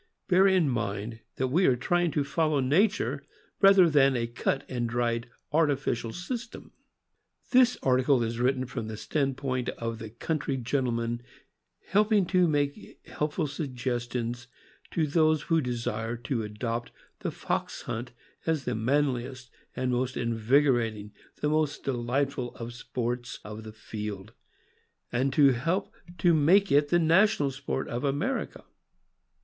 Bear in mind that we are trying to follow nature, rather than a cut and dried artificial system. This article is written from the stand point of the coun try gentleman helping to make helpful suggestions to those who desire to adopt the fox hunt as the manliest and most invigorating, the most delightful, of the sports of the field, and to help to make it the national sport of America.